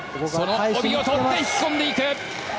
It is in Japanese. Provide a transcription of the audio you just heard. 帯を取って引き込んでいく。